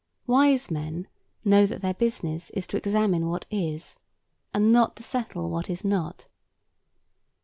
Wise men know that their business is to examine what is, and not to settle what is not.